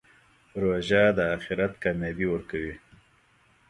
روژه د آخرت کامیابي ورکوي.